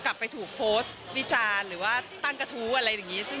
กลับไปถูกโพสต์วิจารณ์หรือว่าตั้งกระทู้อะไรอย่างนี้